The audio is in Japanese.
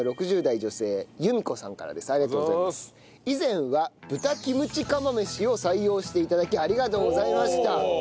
以前は豚キムチ釜飯を採用して頂きありがとうございました。